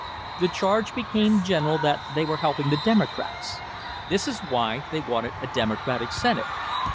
The charge became general that they were helping the Democrats. This is why they wanted a Democratic Senate.